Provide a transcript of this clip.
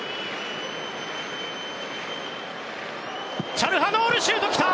チャルハノールのシュート来た！